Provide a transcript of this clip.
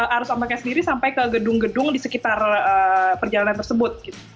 arus ombaknya sendiri sampai ke gedung gedung di sekitar perjalanan tersebut